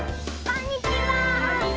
こんにちは。